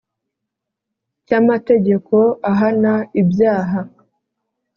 cy Amategeko ahana ibyaha